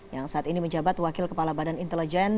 yang saat ini menjabat wakil kepala badan intelijen